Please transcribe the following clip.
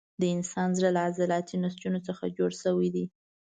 د انسان زړه له عضلاتي نسجونو څخه جوړ شوی دی.